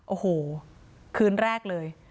โอ้โหคืนแรกเลย